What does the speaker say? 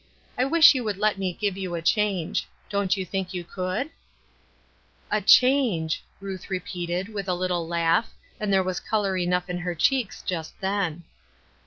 I wish you would let me give you a change. Don't you think you could ?"" A change I " Ruth repeated, with a little laugh, and there was color enough in her chet^.ks just then.